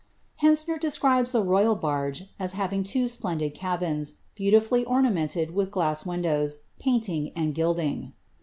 Hentzner describes tlie royal barge, as having two splendid cabins, beautifully ornamented with glass windows, painting, and gilding.